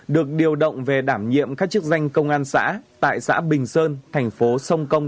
được điều động về đảm nhiệm các chức danh công an xã tại xã bình sơn thành phố sông công